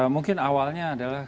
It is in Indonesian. mungkin awalnya adalah